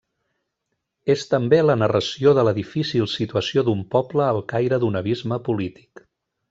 És també la narració de la difícil situació d'un poble al caire d'un abisme polític.